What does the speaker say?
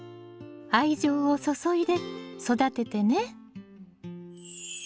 愛情を注いで育ててね。